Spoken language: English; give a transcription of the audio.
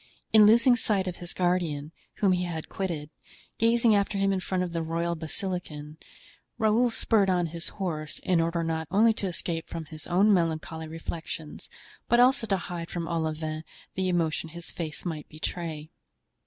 In losing sight of his guardian, whom he had quitted, gazing after him in front of the royal basilican, Raoul spurred on his horse, in order not only to escape from his own melancholy reflections, but also to hide from Olivain the emotion his face might betray.